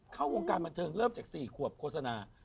เข้าโครงการบรรเทิงเริ่มจากศรี่ขวบโฆษณา